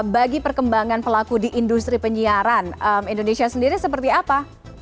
bagi perkembangan pelaku di industri penyiaran indonesia sendiri seperti apa